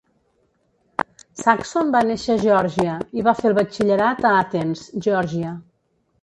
Saxon va néixer a Geòrgia i va fer el batxillerat a Athens, Geòrgia.